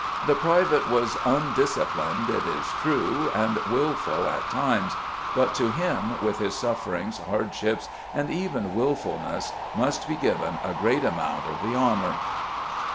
The private was undisciplined it is true and willful at times, but to him with his sufferings, hardships and even willfullness must be given a great amount of the honor.